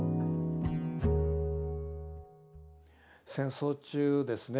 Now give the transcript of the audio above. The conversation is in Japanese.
戦争中ですね